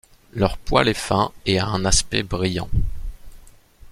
Leur poil est fin et a un aspect brillant.